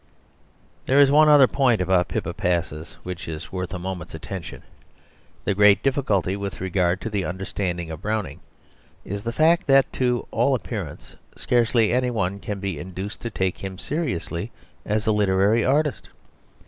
There is one other point about Pippa Passes which is worth a moment's attention. The great difficulty with regard to the understanding of Browning is the fact that, to all appearance, scarcely any one can be induced to take him seriously as a literary artist.